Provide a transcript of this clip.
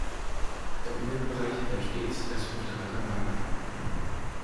Der Umweltbereich bleibt stets das fünfte Rad am Wagen.